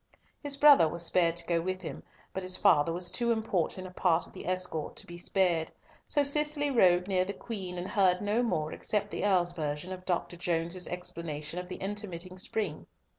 His brother was spared to go with him, but his father was too important a part of the escort to be spared. So Cicely rode near the Queen, and heard no more except the Earl's version of Dr. Jones's explanation of the intermitting spring.